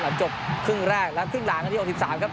หลังจบครึ่งแรกแล้วครึ่งหลังนาทีสิบสามครับ